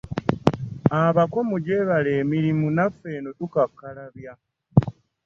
Abako mujebale emirimu naffe eno tukakkalabya .